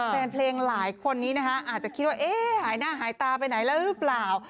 แฟนเพลงหลายคนนี้นะคะอาจจะคิดว่าเอ๊ะหายหน้าหายตาไปไหนแล้วหรือเปล่า